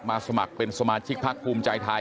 สมัครเป็นสมาชิกพักภูมิใจไทย